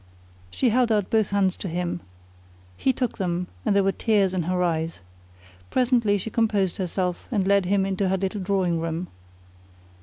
She held out both hands to him: he took them, and there were tears in her eyes. Presently she composed herself, and led him into her little drawing room.